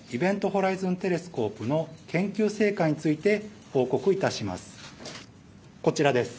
ホライズンテレスコープの研究成果について報告いたします。